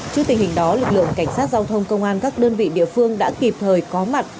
trước tình hình đó lực lượng cảnh sát giao thông công an các đơn vị địa phương đã kịp thời có mặt